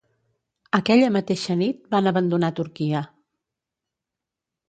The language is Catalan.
Aquella mateixa nit van abandonar Turquia.